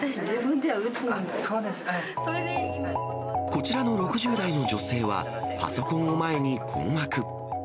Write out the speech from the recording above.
こちらの６０代の女性は、パソコンを前に困惑。